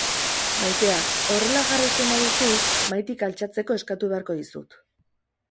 Maitea, horrela jarraitzen baduzu, mahaitik altxatzeko eskatu beharko dizut.